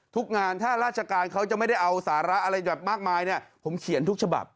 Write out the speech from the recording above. ทุกงานถ้าราชการเขาจะไม่ได้เอาสาระอะไรแบบมากมายเนี่ยผมเขียนทุกฉบับ